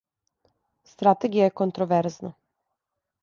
Стратегија је контроверзна.